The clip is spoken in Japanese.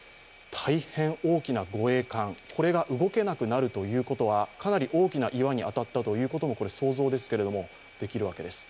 大変大きな護衛艦が動けなくなるということはかなり大きな岩に当たったということは想像できるわけです。